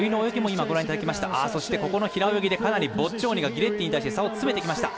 ここの平泳ぎでかなりボッジョーニがギレッティに対して差を詰めてきました。